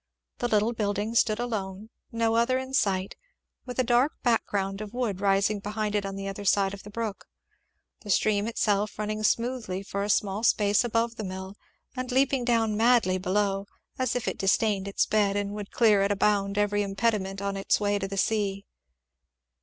The little building stood alone, no other in sight, with a dark background of wood rising behind it on the other side of the brook; the stream itself running smoothly for a small space above the mill, and leaping down madly below, as if it disdained its bed and would clear at a bound every impediment in its way to the sea.